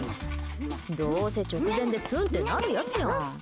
どうせ直前でスンッてなるやつやん。